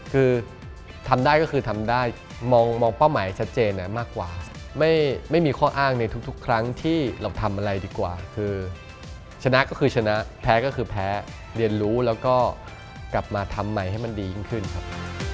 คือทำได้ก็คือทำได้มองเป้าหมายชัดเจนมากกว่าไม่มีข้ออ้างในทุกครั้งที่เราทำอะไรดีกว่าคือชนะก็คือชนะแพ้ก็คือแพ้เรียนรู้แล้วก็กลับมาทำใหม่ให้มันดียิ่งขึ้นครับ